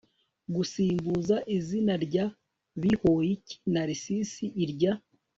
gusimbuza izina rya BIHOYIKI Narcisse irya